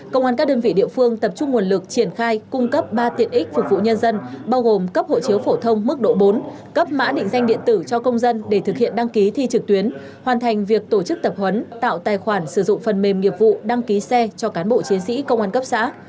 công an các đơn vị địa phương tập trung nguồn lực triển khai cung cấp ba tiện ích phục vụ nhân dân bao gồm cấp hộ chiếu phổ thông mức độ bốn cấp mã định danh điện tử cho công dân để thực hiện đăng ký thi trực tuyến hoàn thành việc tổ chức tập huấn tạo tài khoản sử dụng phần mềm nghiệp vụ đăng ký xe cho cán bộ chiến sĩ công an cấp xã